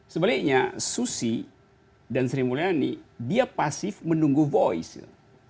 sebaliknya susi dan sri mulyani dia pasif menunggu voice